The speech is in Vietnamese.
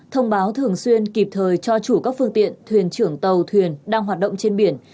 thông báo thường xuyên kịp thời cho chủ các phương tiện thuyền trưởng tàu thuyền đang hoạt động trên biển